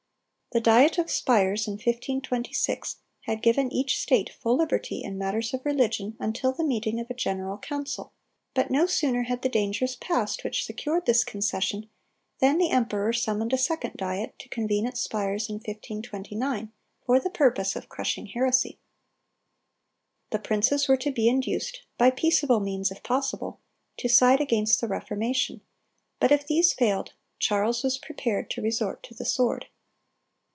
The Diet of Spires in 1526 had given each state full liberty in matters of religion until the meeting of a general council; but no sooner had the dangers passed which secured this concession, than the emperor summoned a second Diet to convene at Spires in 1529 for the purpose of crushing heresy. The princes were to be induced, by peaceable means if possible, to side against the Reformation; but if these failed, Charles was prepared to resort to the sword.